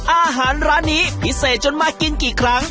ร้านนี้พิเศษจนมากินกี่ครั้ง